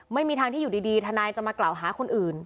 ไม่มีทางที่อยู่ดีทนายจะมากล่าวหาคนอื่น